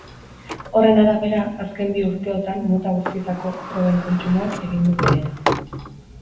Horren arabera, azken bi urteotan mota guztietako drogen kontsumoak egin du behera.